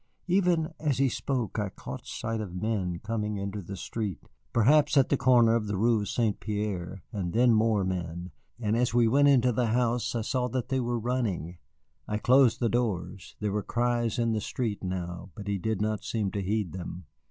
Even as he spoke I caught sight of men coming into the street, perhaps at the corner of the Rue St. Pierre, and then more men, and as we went into the house I saw that they were running. I closed the doors. There were cries in the street now, but he did not seem to heed them.